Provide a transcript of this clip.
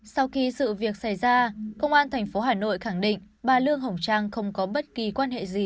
sau khi sự việc xảy ra công an thành phố hà nội khẳng định bản lương hồng trang không có bất kỳ quan hệ gì